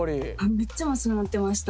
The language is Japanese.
めっちゃまっすぐになってました。